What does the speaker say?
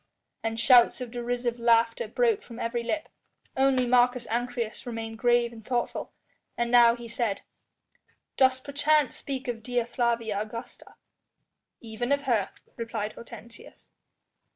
And shouts of derisive laughter broke from every lip. Only Marcus Ancyrus remained grave and thoughtful, and now he said: "Dost perchance speak of Dea Flavia Augusta?" "Even of her," replied Hortensius.